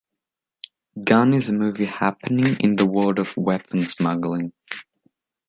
Gun is a movie happening in the world of weapons smuggling.